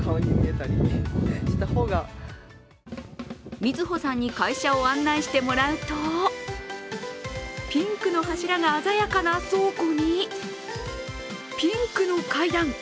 瑞穂さんに会社を案内してもらうとピンクの柱が鮮やかな倉庫にピンクの階段。